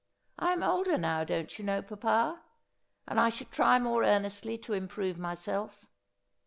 I am older now, don't you know, papa ; and I should try more earnestly to improve myself.